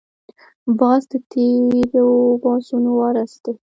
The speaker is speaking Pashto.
باز د تېرو بازانو وارث دی